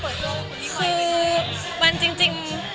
คือมันจริง